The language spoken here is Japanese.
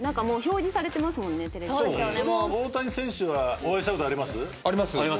大谷選手はお会いしたことあります？あります。